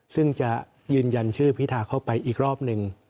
ซึ่งจะยืนยันชื่อพิธาเข้าไปอีกรอบหนึ่ง